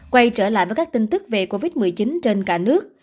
quay trở lại với các tin tức về covid một mươi chín trên cả nước